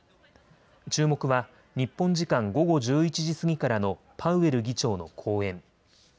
注目は日本時間午後１１時過ぎからのパウエル議長の講演。